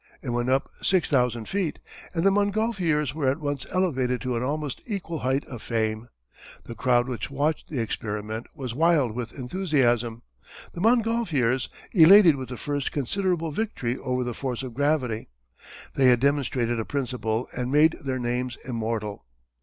It went up six thousand feet and the Montgolfiers were at once elevated to almost an equal height of fame. The crowd which watched the experiment was wild with enthusiasm; the Montgolfiers elated with the first considerable victory over the force of gravity. They had demonstrated a principle and made their names immortal.